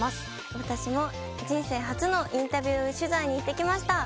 私も人生初のインタビュー取材に行ってきました。